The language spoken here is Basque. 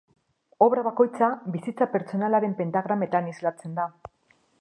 Obra bakoitza bizitza pertsonalaren pentagrametan islatzen da.